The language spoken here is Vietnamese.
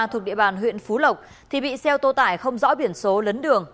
thuộc địa bàn huyện phú lộc thì bị xe ô tô tải không rõ biển số lấn đường